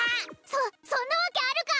そそんなわけあるか！